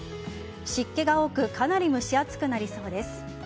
湿気が多くかなり蒸し暑くなりそうです。